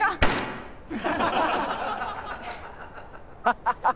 ハハハ！